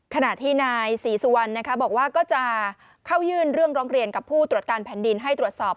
ขณะที่นายศรีสุวรรณบอกว่าก็จะเข้ายื่นเรื่องร้องเรียนกับผู้ตรวจการแผ่นดินให้ตรวจสอบ